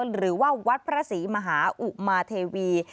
หรือว่าวัดพระศรีมหาอุมาเทวี